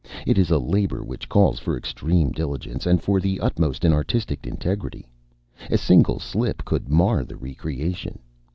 It is a labor which calls for extreme diligence, and for the utmost in artistic integrity. A single slip could mar the re creation.